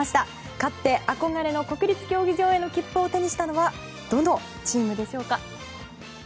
勝って、憧れの国立競技場への切符を手にしたのはどのチームでしょうか。